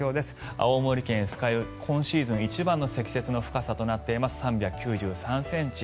青森県酸ケ湯今シーズン一番の積雪の深さとなっています３９３ｃｍ。